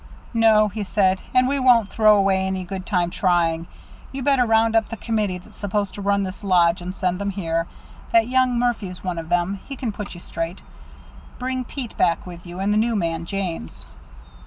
"No," he said, "and we won't throw away any good time trying. You'd better round up the committee that's supposed to run this lodge and send them here. That young Murphy's one of them he can put you straight. Bring Pete back with you, and the new man, James."